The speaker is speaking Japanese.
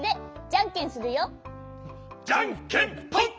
じゃんけんぽん！